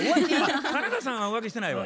田中さんは浮気してないわ。